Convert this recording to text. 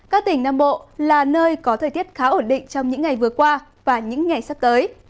các tỉnh nam bộ là nơi có thời tiết khá ổn định trong những ngày vừa qua và những ngày sắp tới